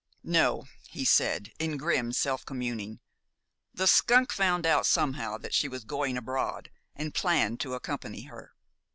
"No," he said, in grim self communing, "the skunk found out somehow that she was going abroad, and planned to accompany her.